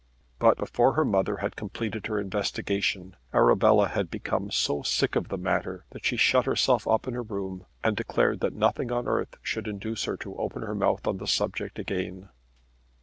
But before her mother had completed her investigation, Arabella had become so sick of the matter that she shut herself up in her room and declared that nothing on earth should induce her to open her mouth on the subject again.